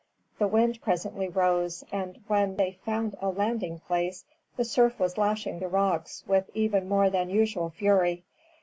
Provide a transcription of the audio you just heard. The wind presently rose; and when they found a landing place, the surf was lashing the rocks with even more than usual fury.